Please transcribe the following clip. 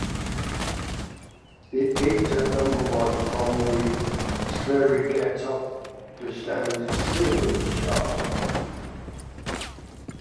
It peaked at number one on the Sverigetopplistan singles chart.